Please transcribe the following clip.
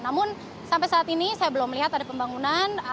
namun sampai saat ini saya belum melihat ada pembangunan